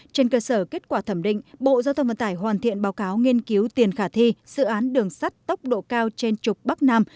trên cơ sở kết quả thẩm định bộ giao thông vận tải hoàn thiện báo cáo nghiên cứu tiền khả thi dự án đường sắt tốc độ cao trên trục bắc nam